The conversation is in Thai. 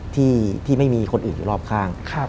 ที่ไม่มีคนอื่นอยู่รอบข้าง